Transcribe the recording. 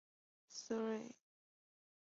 梅翁人口变化图示